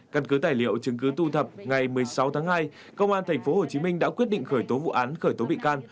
căn cứ tài liệu chứng cứ thu thập ngày một mươi sáu tháng hai công an tp hcm đã quyết định khởi tố vụ án khởi tố bị can